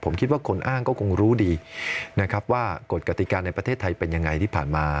ผมคิดว่าคนอ้างก็คงรู้ดีนะครับว่ากฎกติกาในประเทศไทยเป็นยังไงที่ผ่านมา